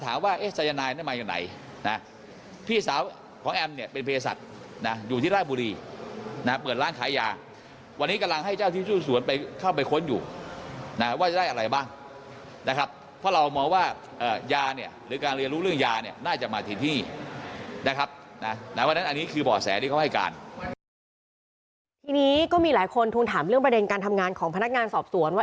ทีนี้ก็มีหลายคนทวงถามเรื่องประเด็นการทำงานของพนักงานสอบสวนว่า